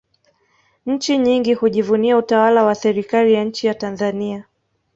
nchi nyingi hujivunia utawala wa serikali ya nchi ya tanzania